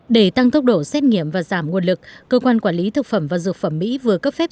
để tăng tốc độ xét nghiệm và giảm nguồn lực cơ quan quản lý thực phẩm và dược phẩm mỹ vừa cấp phép